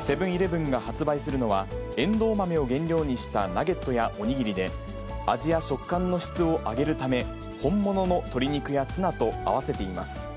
セブンイレブンが発売するのは、えんどう豆を原料にしたナゲットやお握りで、味や食感の質を上げるため、本物の鶏肉やツナと合わせています。